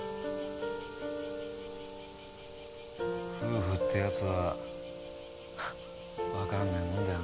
夫婦ってやつはわかんねえもんだよな。